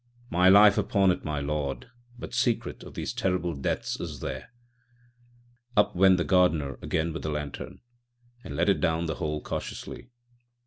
My life upon it, my lord, but the secret of these terrible deaths is there." Up went the gardener again with the lantern, and let it down the hole cautiously.